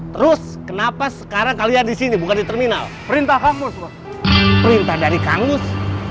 terus kenapa sekarang kalian disini bukan di terminal perintah kamu perintah dari kangus